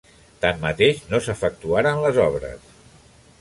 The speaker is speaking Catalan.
Tanmateix no s'efectuaren les obres.